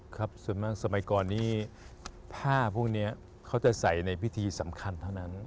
ส่วนมากสมัยก่อนนี้ผ้าพวกนี้เขาจะใส่ในพิธีสำคัญเท่านั้น